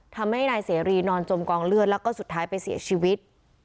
ทำให้นายเสรีนอนจมกองเลือดแล้วก็สุดท้ายไปเสียชีวิต